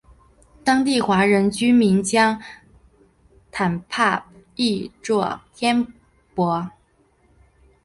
当地华人居民将坦帕译作天柏。